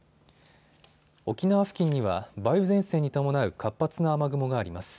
沖縄付近には梅雨前線に伴う活発な雨雲があります。